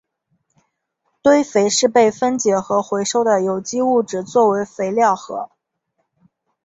堆肥是被分解和回收的有机物质作为肥料和。